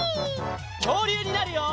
きょうりゅうになるよ！